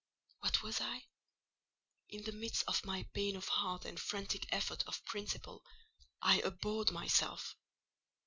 What was I? In the midst of my pain of heart and frantic effort of principle, I abhorred myself.